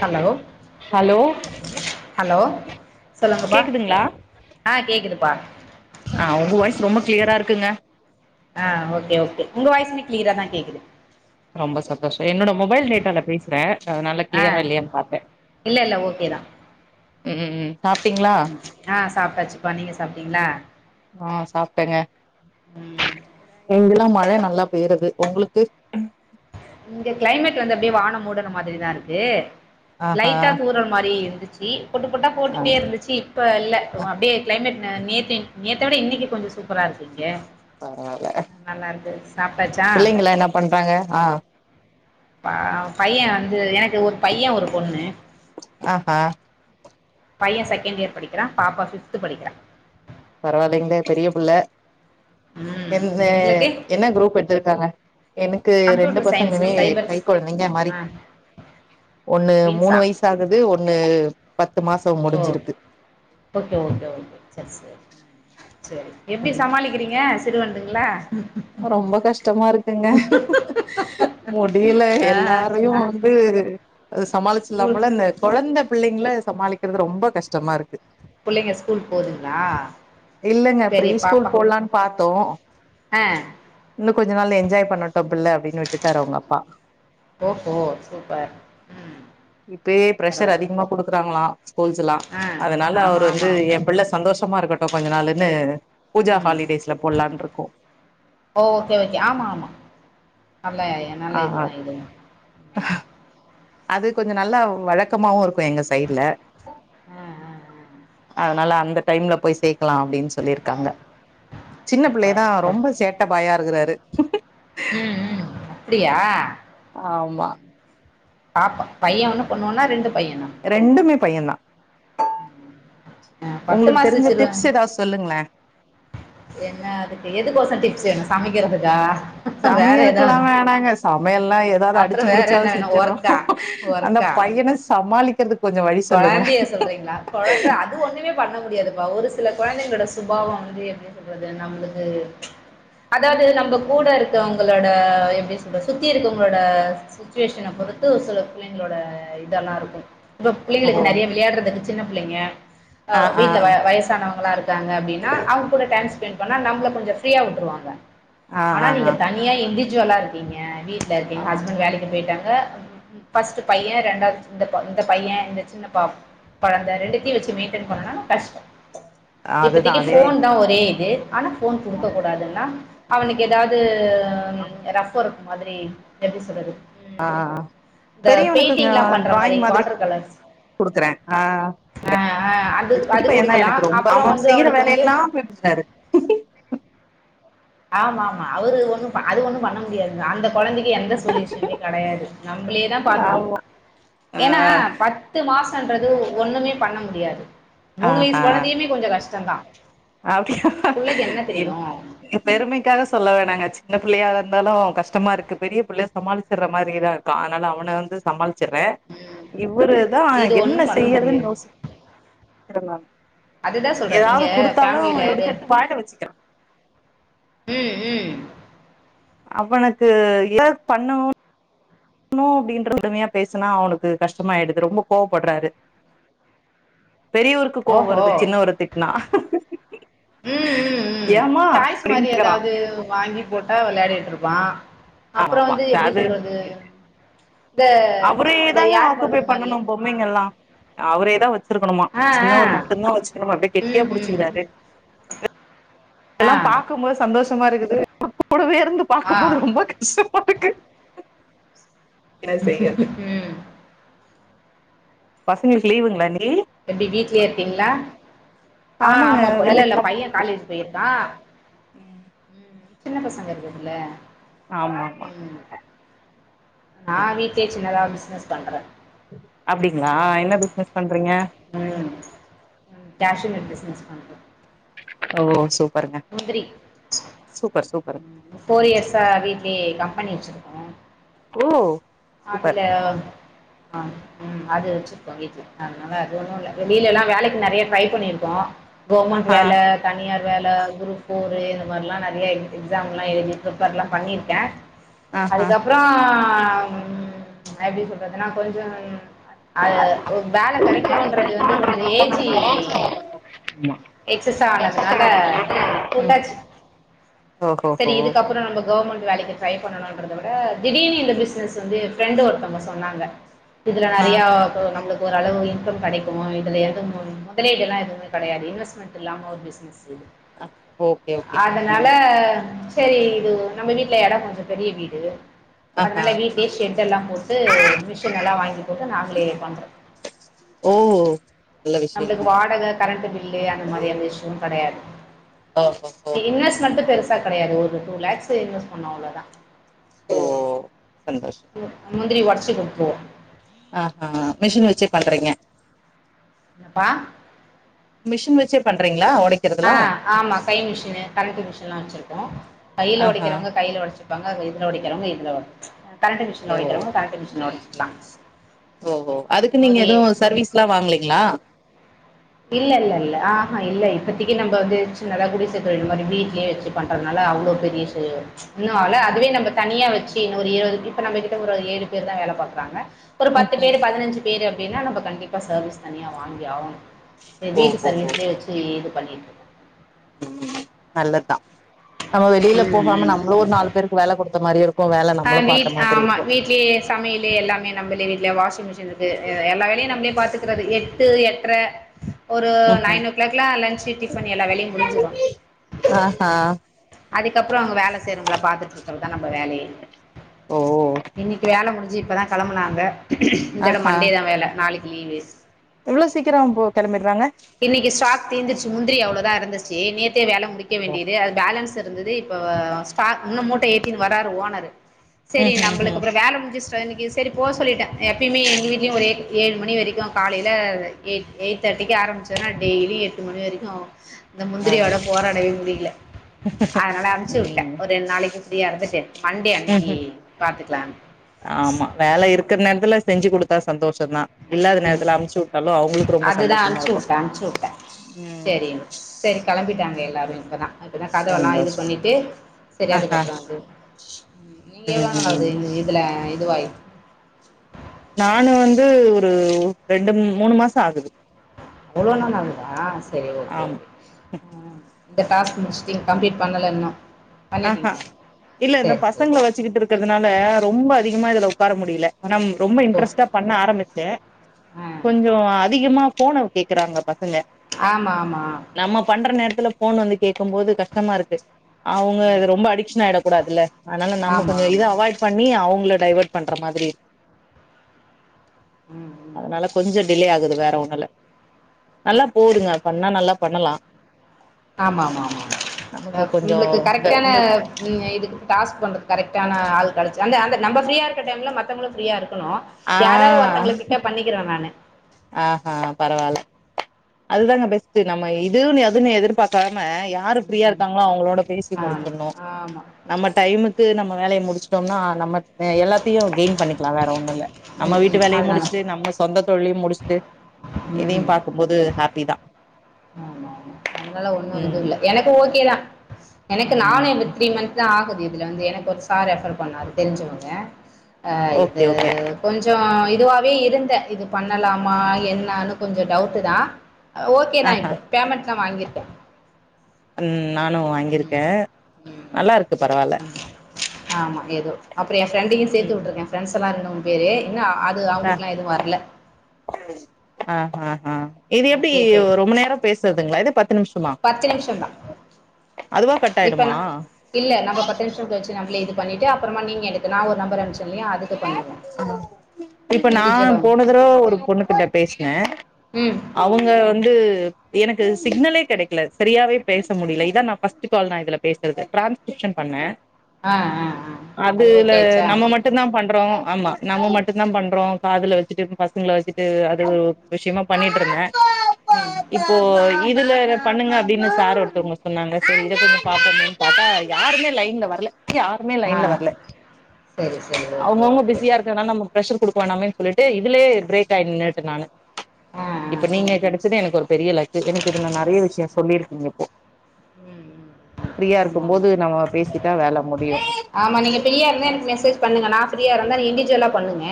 hello hello hello சொல்லுங்கப்பா கேக்குதுங்களா ஆ கேக்குதுப்பா ஆ உங்க வாய்ஸ் ரொம்ப கிளியரா இருக்குங்க ஆ ஒகே ஓகே உங்க வாய்ஸ்சு கிளியரா தா கேக்குது ரொம்ப சந்தோஷ என்னோட மொபைல் டேட்டால பேசுறே அதுனால ஆ கிளியரா இல்லையான்னு பாத்தே இல்ல இல்ல ஓகே தா ம் ம் சாப்டீங்களா ஆ சாப்ட்டாச்சுப்பா நீங்க சாப்டீங்களா ஆ சாப்டேங்க ம் இங்கெல்லா மழ நல்லா பெய்றது உங்களுக்கு இங்க கிளைமேட் வந்து அப்டியே வானோ மூடுன மாரிதா இருக்கு ஆஹா லைட்டா தூறல் மாரி இருந்துச்சு பொட்டு பொட்டா ஆ போட்டுட்டே இருந்துச்சு இப்ப இல்ல ஆ அப்டியே க்ளைமேட் நேத்த நேத்த விட இன்னைக்கு கொஞ்சோ சூப்பரா இருக்கு இங்க பரவால்ல நல்லாருக்கு சாப்டாச்சா பிள்ளைங்களா என்ன பண்றாங்க ஆ ஆ பைய வந்து எனக்கு ஒரு பைய ஒரு பொண்ணு ஆ ஆ பைய செகண்ட் இயர் படிக்கிறா பாப்பா பிப்து படிக்கிறா பரவாயில்லைங்களே பெரிய புள்ள ம் எந்த உங்களுக்கு என்ன குரூப் எடுத்திருக்காங்க எனக்கு ரெண்டு கம்ப்யூட்டர் சயின்ஸு பசங்களுமே கை சைபர்ஸ் கொழந்தைங்க மாறி ஆ ஒண்ணு மூணு மீன்ஸா வய சாகுது ஒண்ணு பத்து மாசோ ஓ முடிஞ்சிருக்கு ஓகே ஓகே ஓகே செர் செரி செரி எப்டி ம் சமாளிக்கிறீங்க சிறுவண்டுங்களா ரொம்ப கஷ்டமா இருக்குங்க முடியில ஆ எல்லாரையு ஆ வந்து ஸ்கூல் சமாளிச்சில்லாம்போல இந்த கொழந்த பிள்ளைங்கல சமாளிக்கிறது ரொம்ப கஷ்டமா இருக்கு புள்ளைங்க ஸ்கூல் போதுங்களா இல்லெங்க ப்ரீ சரி ஸ்கூல் போல்லான் பாத்தோ அ இன்னு கொஞ்ச நாள் என்ஜாய் பண்ணட்டு பிள்ள அப்டினு விட்டுட்டாரு அவுங் அப்பா ஓ ஹோ சூப்பர் ம் இப்பயே ப்ரெஷர் பரவால்ல அதிகமா குடுக்குறாங்களா ஸ்கூல்ஸ் எல்லா ஆ அதனால ஆமா அவர் ஆமா வந்து எ பிள்ள சந்தோஷமா இருக்கட்டு கொஞ்ச நாளுன்னு பூஜா ம் ஹாலிடேஸ்ல போட்லான்ருக்கோ ஓ ஓகே ஓகே ஆமா ஆமா நல்லா ஆ நல்ல இதுதா இதுவு அது கொஞ்சோ நல்லா வழக் கமாவு இருக்கு எங்க சைட்ல ஆ ஆ ஆ அதனால அந்த டைம்ல போய் சேக்கலா அப்டின் சொல்லிருக்காங்க சின்ன சூப்பர் பிள்ளைகதா சூப்பர் ரொம்ப சேட் ட பாயா இருக்குறாரு ம் ம் அப்டியா ஆமா ம் பாப்பா பைய ஒன்னு பொண்ணு ஒன்னா ரெண்டு பையனா ரெண்டுமே பையந்தா ஆ பத்து உங்களுக்கு மாச தெரிஞ்ச சிறுவ டிப்ஸ் எதாவ்த் சொல்லுங்ளே என்ன அதுக்கு எதுக்கோசோ டிப்ஸ் வேணு சமைக்கிறதுக்கா வேற சமையலுக்கில்லா ஏதாவது வேணாங்க சமையெல்லா எதாவ்து அப்புற அடிச்சு வேற என்ன புடிச்சாவ்த் வேணு செஞ்சிற்றோ ஒர்க்கா அந்த பையன சமாளிக்கிறதுக் கொழந்திய சொல்றீங்ளா கொழந்த அ அது ஒண்ணுமே பண்ண முடியாதுப்பா ஒரு சில கொழந்தைங்ளோட சுபாவம் வந்து எப்டி சொல்றது நம்ளுக்கு அதாவ்து நம்ப கூட இருக்கறவங்களோட எப்டி சொல்றது சுத்தி இருக்கவங்களோட சுச்சுவேஷன பொறுத்து ஒரு சில பிள்ளைங்ளோட இதெல்லா இருக்கு இப்ப ஓ பிள்ளைங்ளுக்கு நெறிய விளையாடுறதுக்கு சின்ன பிள்ளைங்க அ ஆ ஆ வீட்ல வ வயசானவங்களா இருக்காங்க அப்டீனா அவு ங்கூட டைம் ஸ்பெண் பண்ணா நம்ள கொஞ்சோ ஃப்ரீயா விட்டுருவாங்க ஆ ஆனா ஆ நீங்க ஆ தனி னியா இன்ட்ஜுவலா இருக்கீங்க வீட்ல இருக்கங்க ஹஸ்பண் ஆமா வேலைக்கு போயிட்டாங்க ஃபஸ்ட்டு பைய ரெண்டாவ்து வந்து பொண்ணு ந்த பைய இந்த சின்ன பா கொழந்த ரெண்டுத்தியு வெச்சு மெயின்டென் பண்ணுனா கஷ்டோ அதுதா இப்பதிக்கி அதே ஃபோன் தா ஒரே இது ஆனா ஃபோன் குடுக்க கூடாதுன்னா அவனுக்கு எதாவ்து ம் ரஃப் ஒர்க் மாதிரி எப்டி சொல்றது ம் ஆ இந்த பெரியவனுக்கு பெயிண்டிங்ல்லா பண்ற மாரி வாட்டரு கலர்ஸ் குடுக்கறே ஆ அது இந்த குட்டி அது பயந்தா கொடுக்கலாம் எனக்கு ரொம்ப அப்புறம் அவ வந்து செய்யற அவனுக்கு வந்து வேலயெல்லா [unintelligible] சாரு ஆம ஆமா அவுரு ஒண்ணு ப அது ஒண்ணு பண்ண முடியாதுங்க அந்த கொழந்திக்கி எந்த சொல்யூஷனுமே கெடையாது நம்பளே தா பாத்துக்கணோ ஆமா ஏன்னா ஆ ப பத்து மாசன்றது ஒண்ணுமே பண்ண முடியாது மூணு வயசு ஆஹா கொழந்தயுமே கொஞ்சொ கஷ்டந்தா அப்டியா இல் இத் பெருமைக்காக சொல்ல வேணாங்க சின்ன பிள்ளையா இருந்தாலு கஷ்டமா இருக்கு பெரிய பிள்ளைய சமாளிச் சிட்ற மாரிதா இருக்கா அத்னால அவன வந்து சமாள் செட்ரே ம் இவரு தா இது என்ன ஒண்ணும் பண்ண செய்யறதுன்னு முடியாது யோசிக் அதுதான் சொல்றே நீங்க ஏதாது குடுத்து ஃபேமிலில இரு ம் ம் அவனுக்கு ஏ பண்ணுவோ நோ அப்டின்ற பொறுமையா பேசுனா அவனுக்கு கஷ்டமாயிடுது ரொம்ப கோவப்பட்றாரு பெரியவருக்கு கோவோ ஓஹோ வருது சின்னவர திட்டுனா ம் ம் ம் டாய்ஸ் மாரி கேக்குறா எதாது வாங்கி போட்டா வெளையாடிட்டு இருப்பா ஆமா அப்ரோ ஆமா வந்து எப்டி சொல்றது அது இந்த அவரே இந்த தாங்க ஏர் ஆக்குபை பலூன் மாரி பண்ணணும் இருக்கு ஆ பொம்மைங்கல்லா அவரே தா வெச்சிருக்கணுமா ஆ ஆ சின்னவரு மட்டுதா வெச்சுக்கணுமா அப்டியே கெட்டியா ம் ம் புடிச்சிக்கிறாரு ஆ இதெல்லா பாக்கும் போது சந்தோஷமா இருக்குது ஆனா கூடவே இருந்து ஆ பாக்கும் போது ரொம்ப கஷ்டமா இருக்கு என்ன செய்யறது ம் பசங்களுக்கு லீவுங்களா அண்ணி எப்டி வீட்லயே இருக்கீங்களா ஆ ஆமாங்க ஆமா பா இல்ல இல்ல வேலைக்குல்லா பையே போறது காலேஜ் போயிருக்கா ம் சின்ன பசங்க இருக்குதுல்ல ஆமா ஆமா ம் நா ம் வீட்லயே சின்னதா ஒரு பிஸ்னஸ் பண்றே அப்டிங்களா என்ன பிசினஸ் பண்றீங்க ம் கேஷ்யு நட்ஸ் பிஸ்னஸ் பண்றே ஓ சூப் முந்திரி சூப்பருங்க ஃபோர் இயர்ஸா வீட்லயே கம்பெனி வெச்சிருக்கோ ஓ சூப்பர் அதுல அ ம் அது வெச்சு பொகையுது அதனால அது ஒன்னு இல்ல வெளியிலல்லா வேலைக்கு நெறைய ட்ரை பண்ணிருக்கோ கவர்மெண்ட் ஆஹா வேல தனியார் வேல குரூப் ஃபோரு ம், இந்த மாரிலா நெறைய இருக்கு எக்ஸாம்லா எழுதி பிரிப்பர்லா பண்ணிருக்கே ஆஹா அதுக்கப்புறோ நா எப்டி சொல்றதுனா கொஞ்சம் அது வேலக் கெடைக்குன்றது வந்து கொஞ்சோ ஏஜி எக்ஸஸ் ஆனதுனால கூட்டாச்சி ம் செரி ஓஹோஹோ இதுக் இதுக்கப்றம் நம்ப கவர்மெண்ட் வேலைக்கு ட்ரை பண்ணணுன்றத விட திடீர்னு இந்த பிசினஸ் இது வந்து ஃப்ரெண்ட் ஒருத்தவங்க சொன்னாங்க இதுல ஆ நறையோ எதோ நம்மளுக்கு ஒரு அளவு இன்கம் கெடைக்கு இதுல எதுவு முதலீடுலா எதுவு கெடையாது இன்வெஸ்மெண்ட்டு அமௌன்ட் இல்லாம ஒரு பிசினஸ் இது ஓகே ஓகே அதனால ம், சேரி இது நம்ம வீட்டுல எடம் கொஞ்சோ பெரிய வீடு ஆஹா அப்டியே ஷெட்டெல்லா போட்டு மிஷின் எல்லா வாங்கி போட்டு நாங்களே பண்றோ ஓ நல்ல நம்மளுக்கு விஷயங்க வாடக கரண்ட் பில்லு அந்த மாரி எந்த இஸ்யூவு கடையாது ஓஹோஹோ இன்வெஸ்ட்மெட் பெருசா கெடையாது ஒரு டூ லக்ஸ் இன்வெஸ் பண்ணோ அவ்ளோதா ஓ சந்தோஷோ முந்திரி ஒடச்சி குடுத்துருவோ ஆஹா மிஷின் வெச்சி பண்றீங்க என்னப்பா மிஷின் வெச்சே பண்றீங்களா ஒடைக் ஆ ஆமா கை மிஷினு கரென்டு மிஷின்லா வெச்சிருக்கோ கையில ஆஹா ஒடைக்கிறவுங்க கையில ஒடச்சி பங்காக இதுல ஒடிக்கிறவுங்க இதுல ஒடச் கரண்டு மிஷின்ல ஓ ஒடிக்கிறவுங்க கரண்ட்டு மிஷன்ல ஒடச்சுக்கலா ஓஹோ அதுக்கு நீங்க ஒரு எதுவு சர்வீஸ்லா வாங்கலீங்களா இல்ல இல்ல இல்ல ஆஹா இல்ல இப்பத்தி நம்ப வந்து சின்னதா குடிசத்தொழில் மாதிரி வீட்லயே வெச்சுட் பண்றதுனால அவ்ளோ பெரீசு இன்னோல அதுவே நம்ப தனியா வெச்சி இன்னொ ஒரு இருபது பே இப்ப நம்ம கிட்ட ஒரு ஏழு பேர் தா வேல பாக்குறாங்க ஒரு பத்து ம்ஹும் பேர் பதினஞ்சு பேர் அப்டீன்னா நம்ம கண்டிப்பா சர்வீஸ் தனியா வாங்கி ஆவணோ இது வீட்டு ஓஹோஹோ சர்வீஸ்லயே வெச்சி இது பண்ணிட்டு இருக் ம் நல்லதா நம்ம வெளில ம் போகாம ம் நம்பளோ ஒரு நாலு பேருக்கு வேல குடுத்த மாரி இருக் ஆ வீட் ஆமா வீட்லயே சமயுலு எல்லாமே நம்பளே வீட்ல வாஷிங் மிஷின் இருக்கு எல்லா வேலையு நம்பளே பாத்துக்கறது எட்டு எட்ர ஒரு ம்ஹும் நைன் ஓ கிளாக்ல லன்ச்சு டிஃபன் எல்லா வேலயு முடிஞ்சிரோ ஆ அதுக்கப்புறோ அவுங்க வேல செய்றவுங்கள பாத்துட்டுருக்றதா நம்ப வேலையே ஓ இன்னிக்கு வேல முடிஞ்சி இப்பதா கெளம்புனாங்க இந்தோட மண்டேதா வேல நாளிக்கு லீவு எவ்ளோ சீக்கிரோ போ கெளம்பிடுறாங்க இன்னிக்கு ஸ்டாக் தீந்திச்சு முந்திரி அவ்ளோதா இருந்துச்சி நேத்தே வேல முடிக்க வேண்டியது அது பேலன்ஸ் இருந்துது இப்ப ஸ்டாக் முன்னும் மூட்டய ஏத்தினு வராரு ஓனரு செரி ம்ஹும் நம்புளுக்கு ம் அப்புறோ வேல முஞ்சிச் இப்ப இன்னக்கி செரி போ சொல்லிட்டே எப்பயுமே எங்க வீட்லயு ஒரே ஏழு மணி வெரிக்கோ காலைல எயிட் எயிட் தர்ட்டிக்கே ஆரம்பிச் இல்லன்னா டெய்லி எட்டு மணி வெரிக்கோ இந்த ஆ முந்திரியோட போராடவே முடியுல அதனால அம்ச்சு வுட்ட ம் ஒரு ரெண்டு நாளிக்கு ஃப்ரீயா இருந்துட்டு மண்டே ம்ஹும் அன்னிக்கு பாத்துக்கலான் ஆமா வேல இருக்குற நேரத்துல செஞ்சு குடுத்தா சந்தோஷந்தா இல்லாத ம் நேரத்துல அம்ச்சு விட்டாலோ அவுங்குளுக்கு ரொம்ப அதுதா சந்தோஷமா அனுப்ச்சு இர்க்கோ விட்டே ம் செரி கெளம்பிட்டாங்க எல்லோரு இப்பதா இப்பதா கதவெல்லா இது சந்தோஷ பண்ணிட்டு சரி ஆஹா அதுக்கப்புறோ அது நீங்க எவ்ள நாள் ஆகுது ம் இது இதுல இதுவாயி நானு வந்து ஒரு ரெண்டு மூணு மாசோ ஆகுது அவ்ளோ நாள் ஆகுதா சரி ஓகே ஆமா ஓகே ம் இந்த டாஸ்க் முடிச்சிட்டீங் கம்ப்ளீட் பண்ணல இன்னோ ஆஹா இல்ல இந்த சேரி பசங்கள வெச்சுக்கிட்டு இருக்குறதுனால ரொம்ப அதிகமா இதுல ஒக்கார முடியுல அப்பறம் ரொம்போ ஓ இன்ட்ரெஸ்ட்டா பண்ண ஆரம்பிச்சே ஆ கொஞ்சோ அதிகமா போன கேக்குறாங்க பசங்க ஆமா ஆமா நம்ம பண்ற நேரத்துல போன் வந்து கேக்கும் போது கஷ்டமா இருக்கு அவுங்க இது ம் ரொம்ப அடிக்ஷன் ஆயிட கூடாதுல அத்னால நம்ம ஆமா கொஞ்சோ இத ஆமா அவாய்ட் பண்ணி அவுங்கள டைவர்ட் பண்ற மாதிரி ம் ம் அதனால கொஞ்சோ டிலே ஆகுது வேற ஒண்ணுல நல்லா போதுங்க பண்ணா நல்லா பண்ணலா ஆமா ஆமா ஆமா அ நமக்கு கொஞ்சோ உங்குளுக்கு இந்த கரெக்டான இந்த இதற்கு இதுக்கு டாஸ்க் பண்றதுக்கு கரக்டான ஆள் கெடைச்ச அந்த அந்த நம்ப ஃப்ரீயா டைம்ல மத்தவுங்களு ஃப்ரீயா இருக்கணோ ஆ யாராவது ஒருத்தவுங்களக்கிட்ட பண்ணிக்கிற நானு ஆஹா பரவால்ல அதுதாங்க பெஸ்ட்டு நம்ம இதுன்னு அதுன்னு எதிர்பார்க்காம யாரு ஃப்ரீயா ம் இருக்காங்களோ அவுங்களோட பேசி ஆமா முடிச்சிடணோ ஆமா நம்ம டைமுக்கு நம்ம வேலய முடிச்சிட்டோம்னா நம்ம அ எல்லாத்தையு கெய்ன் பண்ணிக்கலா வேற ஒண்ணுல்ல நம்ம ம் வீட்டு ம் வேலைய அதனால முடிச்ட்டு நம்ம சொந்த தொழிலையு முடிச்ட்டு ம் இதையும் ம் பாக்கும்போது ஹாப்பிதா அங்கலா ஒண்ணும் இதுல்ல எனக்கு ஓகேதா எனக்கு நானு ம் இபு த்ரீ மந்த் தா ஆகுது இதுல வந்து எனக்கு ஒர் சார் ரெஃபர் பண்ணார் தெரிஞ்சவங்க அ இது ஓகே ஓகே கொஞ்சோ இதுவாவே இருந்த இது பண்ணலாமா என்னான்னு கொஞ்சோ டவுட்டு தா அ ஓகேதா ஆஹா இப்ப பேமெண்ட்லா வாங்கிர்க்கே ம் நானு ம் வாங்கிருக்கே ம் நல்லா இருக்கு பரவால்ல ஆமா ஏதோ அப்ற என் ஃப்ரெண்டையு சேத்து ம் விட்ருக்கே ஃப்ரெண்ட்ஸ் எல்லா இருந்தோ பேரே இன்னா அ ஆத் கு ஆ அவ்ங்ளுக்லா எது வர்ல ஆ ஹா ஹா இது ஆ எப்டி சேத்து ரொம்ப நேரோ பேசுற்துங்ளா இதே பத்து நிம்ஷ் துமா பத்து நிமிஷந்தா அதுவா கட் இப்ப ஆய்டுமா நா இல்ல நம்ம பத்து நிமிஷம் பேச்சு நம்லே இது பண்ணிட்டு அப்பற்மா நீங் எனக்கு நா ஒரு நம்பர அனுப்ச்ச இல்லையா அது இப்ப நா இண்டிவிஜுவலா போனதுரோ ஒரு பொண்ணு கிட்ட பேஸ்னே ம் அவங்க வந்து எனக்கு சிக்னலே கிடைக்கல சரியாவே பேச முடியல இதா நா ஃபஸ்ட் கால் நா இதுல பேசுற்து டிரான்ஸ் ரிப்ஷன் பண்ண ஆ ஆ ஆ அது அதுல ஓகே ஆச்சா நம்ம மட்டுன்தா பண் பண்றோம் ஆமா நம்ம மட்டும்தான் பண்றோம் காதுல வச்சுட்டு பசங்களை வச்சுட்டு அது விஷயமா பண்ணிட்டு இருந்தேன் உம் இப்போ இதுல பண்ணுங்க அப்படின்னு சார் ஒருத்தவங்க சொன்னாங்க சரி இதை கொஞ்சம் பாப்போணும் பாப்பா யாருமே லைன்ல வரல யாருமே ஆ லைன்ல வரல சரி சரி ஓகே அவங்கவுங்க ஓகே பிஸியா இருக்கனால நம்ம பிரஷர் குடுக்க வேனாமேன் சொல்லிட்டு இதுலே ப்ரேக்காய் நின்னுட்ட நானு ஆ ஆ இப்ப நீங்க கெடச்சதே எனக்கு ஒரு பெரிய லக்கு எனக்கு இதுல நறையா விஷயு சொல்லிர்க்கீங்க இப்போ ம் ம் ஃப்ரீயா ஆமா இருக்கும் ஆமா போது நம்ம பேசிட்டா வேல முடியும் எ பண்ணுங்க நான் ஃப்ரீயா இருந்தா இண்டடிவிஜுவலா பண்ணுங்க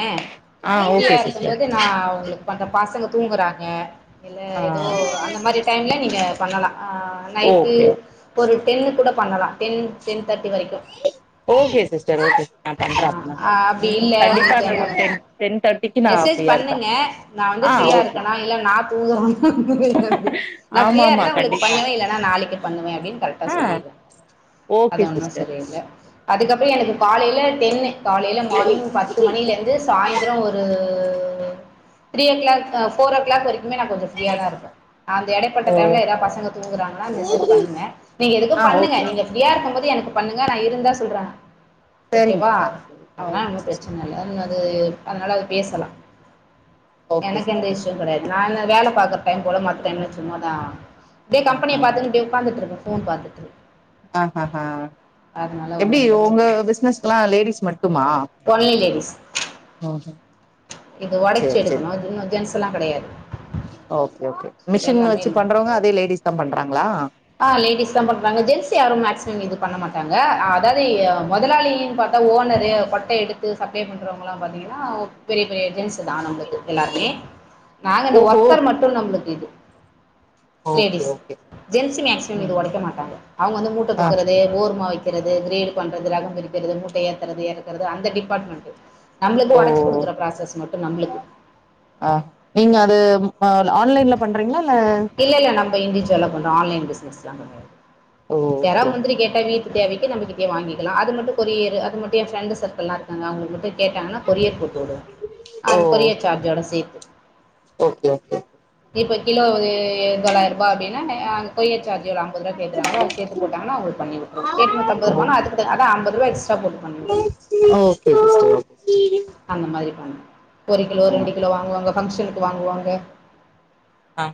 ஆ ஃப்ரியா ஓகே சிஸ்டர் இருக்கும்போது நா அவுங்ளுக் பண்ற பசங்க தூங்குறாங்க இல்லெ ஆ எதோ அந்த மாரி டைம்ல நீங்க பண்ணலாம் ஆ நைட் ஓகே ஓ ஒரு டென்னு கூட பண்ணலா டென் டென் தட்டி வரைக்கு ஓகே சிஸ்டர் ஓகே நான் பண்றேன்ன் ஆ அப்டி ம் இல்ல கண்டிப்பா உங்களுக்கு அந்த அன் டென் தட்டிக்கு நா மெசேஜ் ஃப்ரீயா இருப்பே பண்ணுங்க நா வந்து ஆ ஃப்ரீயா ஓகே இருக்கனா இல்ல நா தூத நா ஆமா ஃப்ரியா ஆமா இருந்தா இவுளுக் கண்டிப்பா பண்ணவே இல்லனா நாளி பண்ணுவே அப்டின் கரக்டா ஆ சொல்லிர்வே அது ஓகே ஒன்னு சிஸ்டர் சரியில்ல அதுக்கப்று எனக்கு காலேல டென்னு காலேல மார்னிங் பத் த்து மணில இருந்து சாய்ந்த்ரோ ஒரு த்ரீ ஓ கிளாக் அ ஃபோர் ஓ க்ளாக் வரிக் இனிமே நா கொஞ்சோ ஃப்ரீயா தா இருப்ப அந்த எடைப்பட்ட ஓ டைம்ல ஏதா பசங்க தூங்குறாங்ன்னா மெசேஜ் பண்ணுங்க நீங்க ஆ எதுக்கும் பண்ணுங்க ஓகே நீங்க ஃப்ரீயா இருக்கும்போது எனக்கு பண்ணுங்க நான் இருந்தா சொல்ற சரிங்க ஓகேவா சிஸ்டர் சரி ஆ அதல்லா ஓகே ஒன்னு சிஸ்டர் ப்ரச்சன எல்லாரும் அது அதனால அது பேசலா ஓகே எனக்கு எந்த சிஸ்டர் இஷ்ஷு கெடையாத் நானா வேல பாக்ற டைம் போல மத்த டைம்ல சும்மாதா இப்டே ஆ கம்பனிய ஆ பாத்துங்ட்டு உக்காந்துட்டுருக்கே ஃபோன் பாத்துட்ரு ஹ ஹ ஹா எப்டி ஒன்னு உங்க பிரச்சன பிசினஸ்க்லா லேடிஸ் மட்டுமா ஒன்லி லேடிஸ் ஆஹ இது ஒடச் எடுக்கணு இன்னு ஜென்ஸ்ல்லா கெடையாது ஓகே ஓகே மிஷின் எல்லாமே வச்சு பண்றவங்க அதே லேடிஸ் தா பண்றாங்களா ஆஹ் லேடிஸ் தா பண்றாங்க ஜென்ஸ் யாரும் மேக்சிமம் இது பண்ண மாட்டாங்க அதாவது முதலாளினு பாத் ஓனரு கொட்டை எடுத்து சப்ளை பண்றவங்களா பாத்தீங்கனா பெரிய பெரிய ஏஜென்சி தா நம்மளுக்கு எல்லாருமே நாங்க இந்த ஓஹோ ஒர்கர் மட்டு நம்மளுக்கு இது okay ladies okay gents maximum இது ம் ஒடைக்க மாட்டாங்க அவங்க வந்து மூட்டை ஆ தூக்குறது போர்மா வைக் றது கிரேடு பண்றது ரகம் பிரிக்கறது மூட்டை ஏத்துரது எறக்குறது அந்த டிபார்ட்மெண்ட் நம்ளுக்கு ஒடச்சி ஓ குடுக்குற ப்ராசஸ் மட்டு நம்ளுக்கு ஆ நீங்க அது ஆன்லைன்ல பண்றீங்களா இல் இல்ல இல்ல நம்ம இன்டீஜுவலா பண்றோ ஆன்லைன் பிஸ்னஸ்லா கெடையாது ஓ ஓகே யாராவது முந்திரி ஓகே கேட்டா வீட் தேவைக்கு நம்மகிட்டயே வாங்கிக்கலா அது மட்டும் கொரியரு அது மட்டும் என் ஃபரண்டு சர்கில்லா இருக்காங்க அவங்ளுக்கு மட்டும் கேட்டாங்கனா கொரியர் போட்டுவுடுவ ஓ அது கொரியர் சார்ஜோட சேத்து ஓகே ஓகே இப்போ கிலோ ஒரு தொள்ளாயிரூபா அப்டின்னா அங்க கொரீயர் சார்ஜ் எவ்ளோ ஒரு ஐம்பது ருபா கேட்கறாங்களா அத சேர்த்து போட்டாங்கான அவுங்ளுக்கு பண்ணிவுட்ருவோ எட்நூத்தம்பதுரூவானா அதுக்கு தகுந் அதா ஐம்பது ரூபா எக்ஸ்ட்ரா போட்டுப்பாங் ஓகே ஓகே சிஸ்டர் அந்த மாதிரி பண்ணு ஒரு கிலோ ஆ ரெண்டு கிலோ வாங்குவாங்க ஃபங்க்ஷனுக்கு வாங்குவாங்க ஆ